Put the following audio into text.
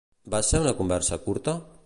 Va ser una conversa curta?